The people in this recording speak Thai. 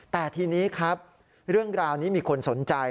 แต่ทีนี้ครับเรื่องราวนี้มีคนสนใจ